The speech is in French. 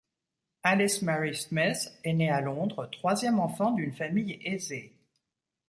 Alice Mary Smith est née à Londres, troisième enfant d'une famille aisée.